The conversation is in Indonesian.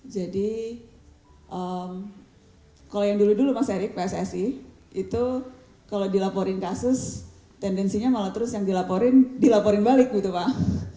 jadi kalau yang dulu dulu mas erick pssi itu kalau dilaporin kasus tendensinya malah terus yang dilaporin dilaporin balik gitu pak